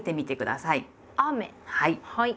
はい。